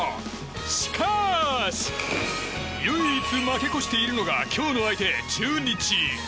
しかし唯一、負け越しているのが今日の相手、中日。